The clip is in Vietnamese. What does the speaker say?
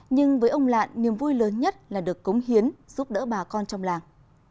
nhưng với ông lạn niềm vui lớn nhất là được cống hiến giúp đỡ bà con trong làng